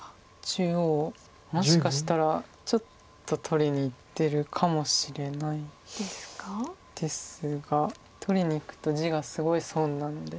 中央をもしかしたらちょっと取りにいってるかもしれないですが取りにいくと地がすごい損なので。